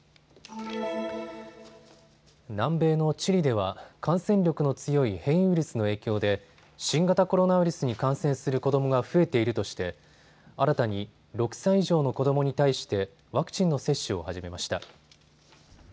南米のチリでは感染力の強い変異ウイルスの影響で新型コロナウイルスに感染する子どもが増えているとして新たに６歳以上の子どもに対してワクチンの接種を始めました。